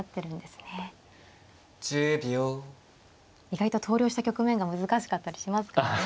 意外と投了した局面が難しかったりしますからね。